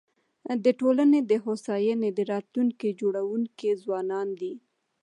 د ټولني د هوساینې د راتلونکي جوړونکي ځوانان دي.